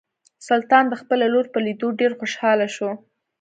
سلطان د خپلې لور په لیدو ډیر خوشحاله شو.